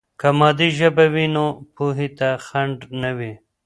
که مادي ژبه وي، نو پوهې ته خنډ نه وي.